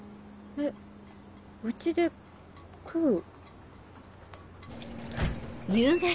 えっ「うちで食う」？